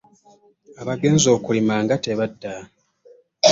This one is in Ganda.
Abaagenze okulima nga tebadda!